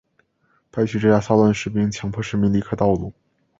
派去镇压骚乱的士兵强迫市民离开道路。